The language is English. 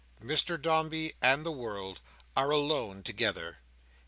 Mr Dombey and the world are alone together.